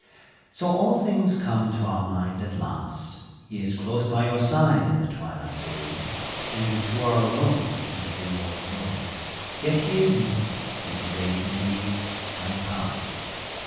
So all things come to our mind at last, He is close by your side in the twilight gloom, And you two are alone in the dim old room, Yet he is mute, as you bade him be, time past.